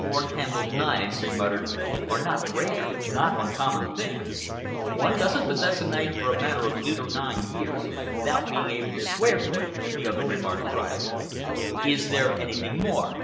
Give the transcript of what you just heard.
"Horn handled knives," he muttered, "are not rare not uncommon things." "One don't possess a knife for a matter of eight or nine years without being able to swear to it," the other remarked dryly. "Is there anything more?"